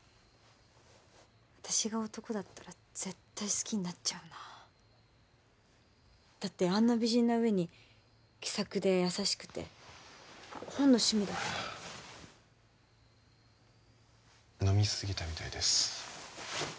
私が男だったら絶対好きになっちゃうなだってあんな美人な上に気さくで優しくて本の趣味だって飲みすぎたみたいです